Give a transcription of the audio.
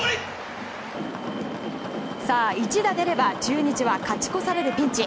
一打出れば中日は勝ち越されるピンチ。